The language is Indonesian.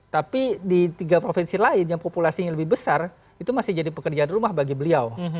tapi di tiga provinsi lain yang populasinya lebih besar itu masih jadi pekerjaan rumah bagi beliau